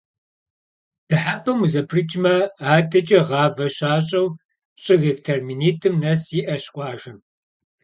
Дыхьэпӏэм узэпрыкӏмэ, адэкӏэ гъавэ щащӏэу щӏы гектар минитӏым нэс иӏэщ къуажэм.